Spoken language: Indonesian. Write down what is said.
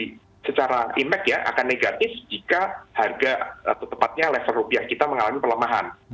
jadi secara impact ya akan negatif jika harga atau tepatnya level rupiah kita mengalami pelemahan